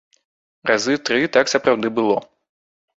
Разы тры так сапраўды было.